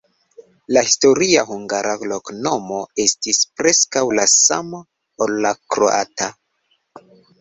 La historia hungara loknomo estis preskaŭ la sama, ol la kroata.